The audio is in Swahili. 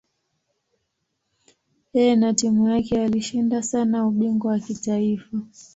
Yeye na timu yake walishinda sana ubingwa wa kitaifa.